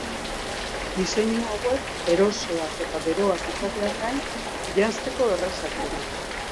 Diseinu hauek erosoak eta beroak izateaz gain, janzteko errazak dira.